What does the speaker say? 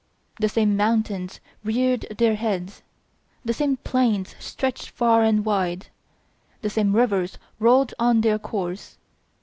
The same mountains reared their heads; the same plains stretched far and wide; the same rivers rolled on their course.